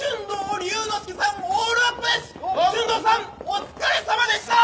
お疲れさまでした！